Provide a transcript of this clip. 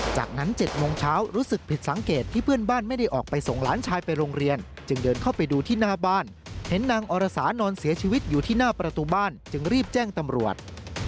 จากนั้น๗โมงเช้ารู้สึกผิดสังเกตที่เพื่อนบ้านไม่ได้ออกไปส่งหลานชายไปโรงเรียนจึงเดินเข้าไปดูที่หน้าบ้านเห็นนางอรสานอนเสียชีวิตอยู่ที่หน้าประตูบ้านจึงรีบแจ้งตำรวจ